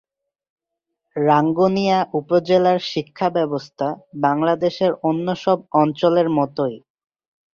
রাঙ্গুনিয়া উপজেলার শিক্ষা ব্যবস্থা বাংলাদেশের অন্য সব অঞ্চলের মতোই।